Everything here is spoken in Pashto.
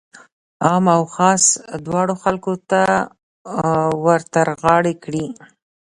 عام او خاص دواړو خلکو ته ورترغاړه کړي.